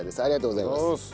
ありがとうございます。